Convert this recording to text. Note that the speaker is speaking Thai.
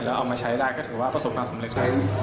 เราก็ต้องมาหาทางแก้อีก